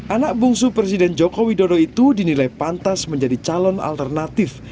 anak bungsu presiden joko widodo itu dinilai pantas menjadi calon alternatif